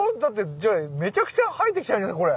じゃあめちゃくちゃ生えてきちゃうじゃないこれ。